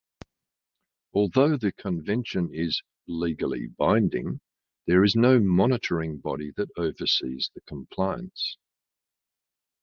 Although the Convention is "legally binding" there is no monitoring body that oversees compliance.